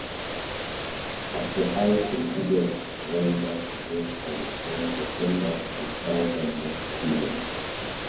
As the ice receded reindeer grazed on the plains of Denmark and southernmost Sweden.